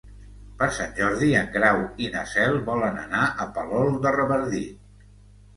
Per Sant Jordi en Grau i na Cel volen anar a Palol de Revardit.